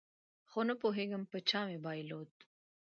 خو نپوهېږم په چا مې بایلود